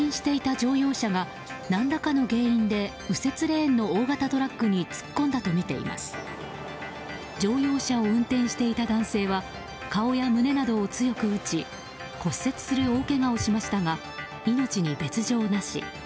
乗用車を運転していた男性は顔や胸などを強く打ち骨折する大けがをしましたが命に別条なし。